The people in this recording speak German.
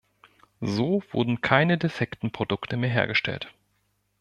So wurden keine defekten Produkte mehr hergestellt.